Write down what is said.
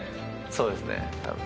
そうですね多分。